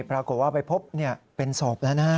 ปรากฏว่าไปพบเป็นศพแล้วนะ